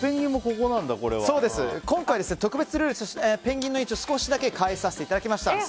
今回は特別ルールとしてペンギンの位置を少しだけ変えさせていただきました。